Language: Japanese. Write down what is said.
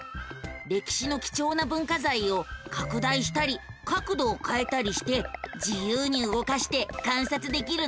歴史の貴重な文化財を拡大したり角度をかえたりして自由に動かして観察できるのさ。